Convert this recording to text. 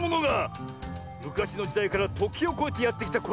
むかしのじだいからときをこえてやってきたこれ。